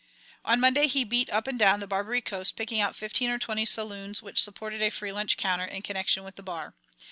On Monday he beat up and down the Barbary Coast, picking out fifteen or twenty saloons which supported a free lunch counter in connection with the bar.